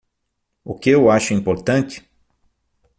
O que eu acho importante?